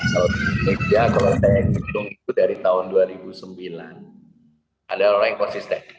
kalau di jogja kalau saya hitung itu dari tahun dua ribu sembilan adalah orang yang konsisten